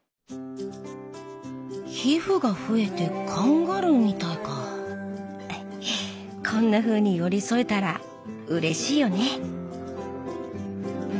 皮膚が増えてカンガルーみたいかってこんなふうに寄り添えたらうれしいよね。